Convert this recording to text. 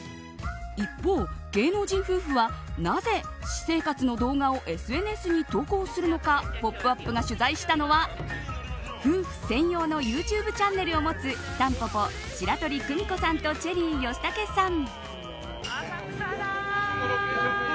一方、芸能人夫婦はなぜ私生活の動画をＳＮＳに投稿するのか「ポップＵＰ！」が取材したのは、夫婦専用のＹｏｕＴｕｂｅチャンネルを持つたんぽぽ、白鳥久美子さんとチェリー吉武さん。